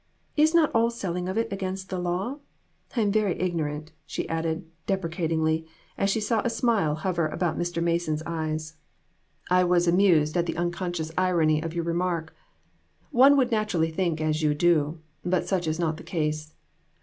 Is not all selling of it against the law? I am very ignorant," she added, deprecatingly, as she saw a smile hover about Mr. Mason's eyes. AN EVENTFUL AFTERNOON. 307 " I was amused at the unconscious irony of your remark. One would naturally think as you do, but such is not the case.